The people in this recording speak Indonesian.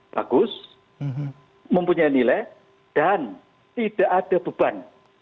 bagus mempunyai nilai dan tidak ada beban